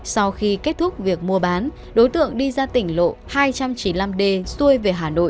sau khi kết thúc việc mua bán đối tượng đi ra tỉnh lộ hai trăm chín mươi năm d xuôi về hà nội